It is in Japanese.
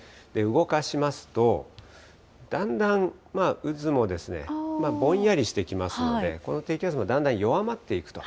動かしますと、だんだん渦もぼんやりしてきますので、この低気圧もだんだん弱まっていくと。